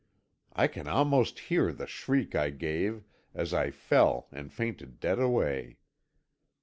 I can almost hear the shriek I gave, as I fell and fainted dead away.